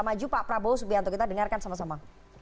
maju pak prabowo subianto kita dengarkan sama sama